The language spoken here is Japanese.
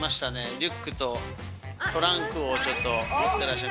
リュックとトランクをちょっと、持ってらっしゃる。